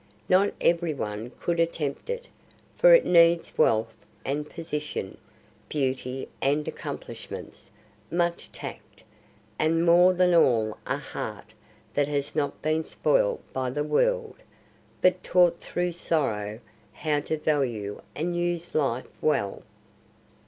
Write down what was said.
Not every one could attempt it; for it needs wealth and position, beauty and accomplishments, much tact, and more than all a heart that has not been spoilt by the world, but taught through sorrow how to value and use life well."